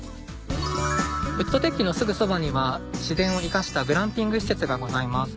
ウッドデッキのすぐそばには自然を生かしたグランピング施設がございます。